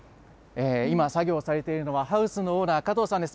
今、作業されているのはハウスのオーナー、加藤さんです。